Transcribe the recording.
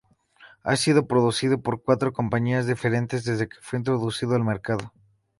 Ha sido producido por cuatro compañías diferentes desde que fue introducido al mercado.